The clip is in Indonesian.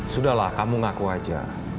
sudahlah kamu ngaku saja